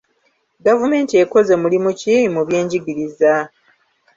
Gavumenti ekoze mulimu ki mu byenjigiriza?